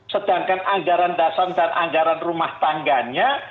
sedangkan anggaran dasar dan anggaran rumah tangganya